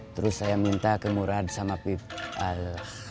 terus saya minta ke murad sama firman